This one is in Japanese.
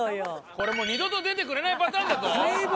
これもう二度と出てくれないパターンだぞ。